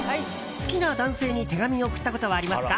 好きな男性に手紙を送ったことはありますか？